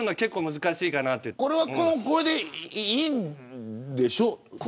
これでいいんでしょ。